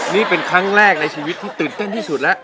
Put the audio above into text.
นี่เป็นครั้งแรกในชีวิตที่ตื่นเต้นที่สุดแล้ว